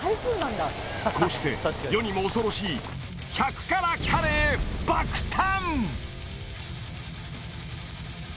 こうして世にも恐ろしい１００辛カレー爆誕！